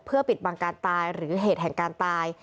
ปิดบังการตายหรือเหตุแห่งการตาย